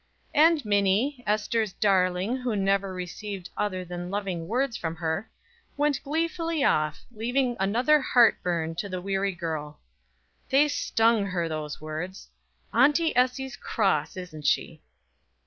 And Minnie Ester's darling, who never received other than loving words from her went gleefully off, leaving another heartburn to the weary girl. They stung her, those words: "Auntie Essie's cross, isn't she?"